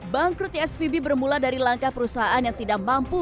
bangkrutnya spb bermula dari langkah perusahaan yang tidak mampu